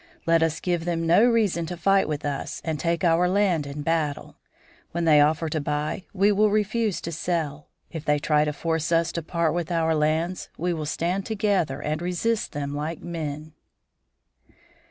Let us give them no reason to fight with us and take our land in battle. When they offer to buy we will refuse to sell. If they try to force us to part with our lands we will stand together and resist them like men.